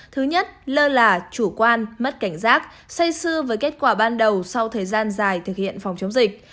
thứ nhất lơ là chủ quan mất cảnh giác xây xưa với kết quả ban đầu sau thời gian dài thực hiện phòng chống dịch